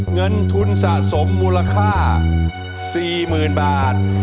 เงินทุนสะสมมูลค่า๔๐๐๐บาท